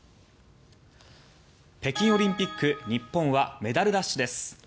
北京オリンピック日本はメダルラッシュです。